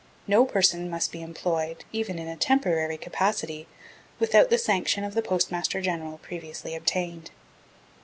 No person must be employed, even in a temporary capacity, without the sanction of the Postmaster General previously obtained.